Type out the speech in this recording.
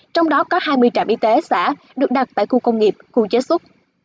trong đó có hai mươi trạm y tế xã được đặt tại khu công nghiệp khu chế xuất